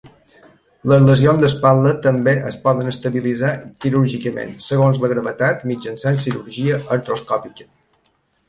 Les lesions d'espatlla també es poden estabilitzar quirúrgicament, segons la gravetat, mitjançant cirurgia artroscòpica.